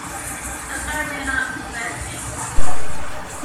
‘That’s hardly enough,’ he said, anxiously.